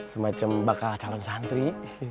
semacam bakal calon santri